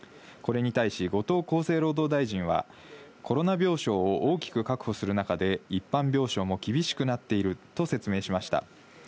これに対し後藤厚生労働大臣は、コロナ病床を大きく確保する中で、一般病床も厳しくなっていると説明しました。